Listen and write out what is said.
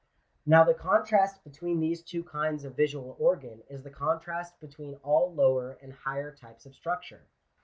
Now the contrast between these two kinds of visual organ is the contrast between all lower and higher types of structure.